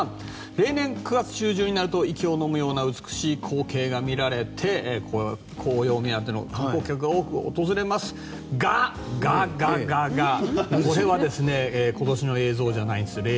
例年９月中旬になると息をのむような美しい光景が見られて紅葉目当ての観光客が多く訪れますがこれは今年の映像じゃないんです。